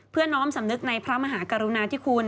เพื่อน้อมสำนึกในพระมหากรุณาที่คุณ